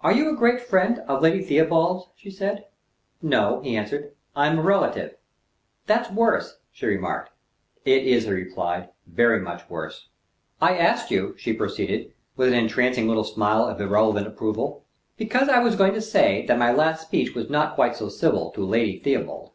"Are you a great friend of Lady Theobald's?" she said. "No," he answered. "I am a relative." "That's worse," she remarked. "It is," he replied. "Very much worse." "I asked you," she proceeded, with an entrancing little smile of irreverent approval, "because I was going to say that my last speech was not quite so civil to Lady Theobald."